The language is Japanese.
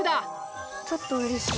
ちょっとうれしい。